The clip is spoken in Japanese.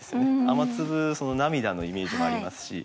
「雨粒」涙のイメージもありますし。